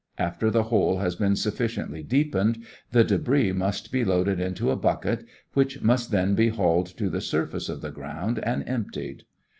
After the hole has been sufficiently deepened, the débris must be loaded into a bucket, which must then be hauled to the surface of the ground and emptied.